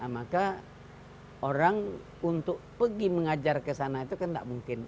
maka orang untuk pergi mengajar ke sana itu kan tidak mungkin